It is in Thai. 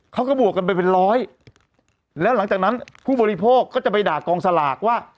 เขาก็บวกกันไปเป็นร้อยแล้วหลังจากนั้นผู้บริโภคก็จะไปด่ากองสลากว่า